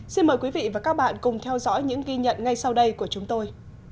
xin mời quý vị và các bạn cùng theo dõi những ghi nhận ngay sau đây của chúng tôi